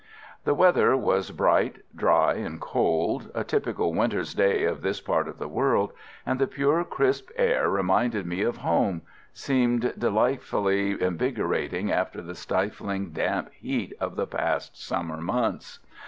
The weather was bright, dry and cold a typical winter's day of this part of the world and the pure, crisp air, reminding me of home, seemed delightfully invigorating after the stifling, damp heat of the past summer months.